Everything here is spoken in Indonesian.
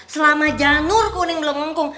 selama janur kuning belum ngungkung